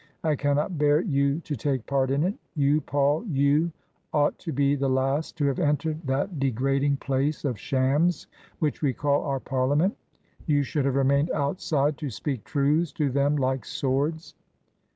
I cannot bear you to take part in it. You, Paul, you ought to be the last to have entered that de grading place of shams which we call our Parliament You should have remained outside to speak truths to them like swords."